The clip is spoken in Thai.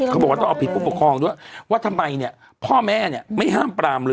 เขาบอกว่าต้องเอาผิดผู้ปกครองด้วยว่าทำไมเนี่ยพ่อแม่เนี่ยไม่ห้ามปรามเลย